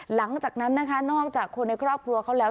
หลังจากนั้นนะคะนอกจากคนในครอบครัวเขาแล้ว